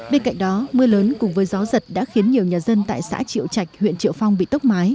bên cạnh đó mưa lớn cùng với gió giật đã khiến nhiều nhà dân tại xã triệu trạch huyện triệu phong bị tốc mái